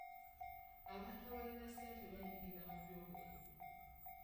Abantu abalina ssente beenyigira mu byobulimi .